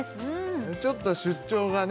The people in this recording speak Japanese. これちょっと出張がね